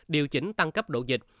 điều chỉnh tăng cấp độ dịch